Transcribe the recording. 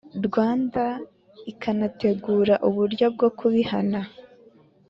Rwanda ikanateganya uburyo bwo kubihana